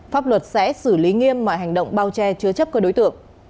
pháp luật sẽ xử lý nghiêm mọi hành động bao che chứa chấp các đối tượng